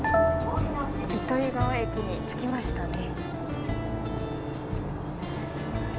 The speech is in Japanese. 糸魚川駅に着きましたね。